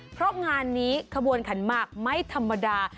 เพราะงานนี้ขบวนขันหมากไม่ธรรมดา